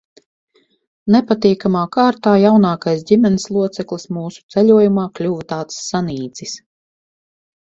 Nepatīkamā kārtā jaunākais ģimenes loceklis mūsu ceļojumā kļuva tāds sanīcis.